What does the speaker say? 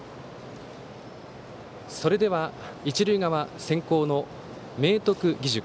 それでは、一塁側先攻の明徳義塾。